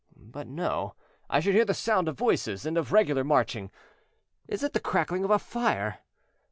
But no; I should hear the sound of voices and of regular marching. Is it the crackling of a fire?